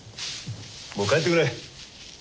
もう帰ってくれ。